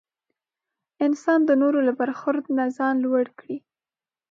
انسان د نورو له برخورد نه ځان لوړ کړي.